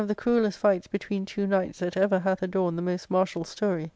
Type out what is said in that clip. ^Book Ih cruellest fights between two knights that ever hath adorned the most martial story.